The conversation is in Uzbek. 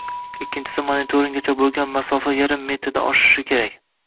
Ikkinchisi, monitorgacha bo‘lgan masofa yarim metrdan oshishi kerak.